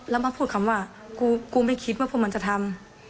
แล้วมาพูดคำว่ากูไม่คิดว่าพวกมันจะทำ